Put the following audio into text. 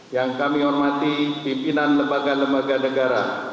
yang kami hormati pimpinan lembaga lembaga negara